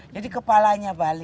jadi kepalanya bali